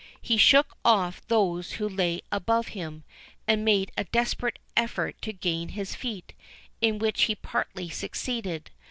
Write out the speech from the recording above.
He shook off those who lay above him, and made a desperate effort to gain his feet, in which he partly succeeded.